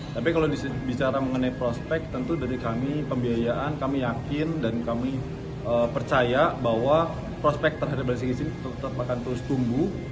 tapi kalau bicara mengenai prospek tentu dari kami pembiayaan kami yakin dan kami percaya bahwa prospek terhadap resiko izin tetap akan terus tumbuh